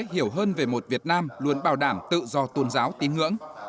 hiểu hơn về một việt nam luôn bảo đảm tự do tôn giáo tín ngưỡng